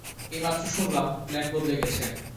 এইমাত্র শুনলাম, প্ল্যান বদলে গেছে।